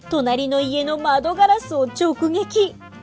隣の家の窓ガラスを直撃。